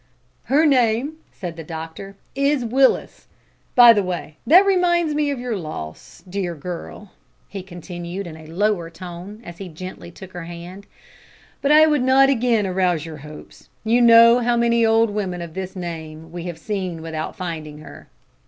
"Her name," said the doctor, "is Willis. By the way, that reminds me of your loss, dear girl," he continued in a lower tone, as he gently took her hand, "but I would not again arouse your hopes. You know how many old women of this name we have seen without finding her."